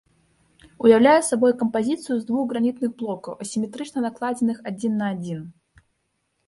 Уяўляе сабой кампазіцыю з двух гранітных блокаў, асіметрычна накладзеных адзін на адзін.